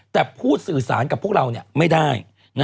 แต่พูดสื่อสารกับพวกเราไม่ได้